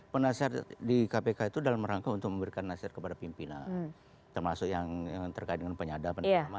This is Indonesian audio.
penasihat di kpk itu dalam rangka untuk memberikan nasihat kepada pimpinan termasuk yang terkait dengan penyadapan